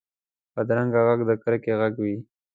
بدرنګه غږ د کرکې غږ وي